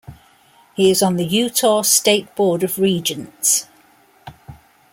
He is on the Utah State Board of Regents.